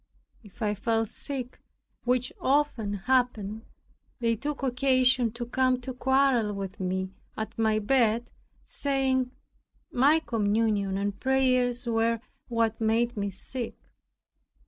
If I fell sick, which often happened, they took occasion to come to quarrel with me at my bed, saying, my communion and prayers were what made me sick.